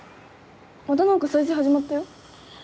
また何か再生始まったよ。